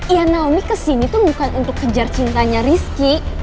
ya naomi kesini tuh bukan untuk kejar cintanya rizky